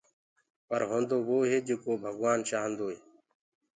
پر هونٚدو وو هي جيڪو ڀگوآن چآهندوئي